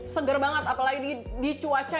seger banget apalagi di cuaca